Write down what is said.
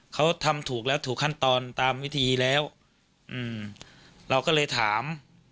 เขาทำถูกแล้วถูกขั้นตอนตามวิธีแล้วอืมเราก็เลยถาม